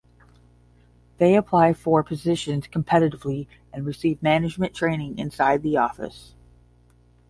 They apply for positions competitively and receive management training inside the office.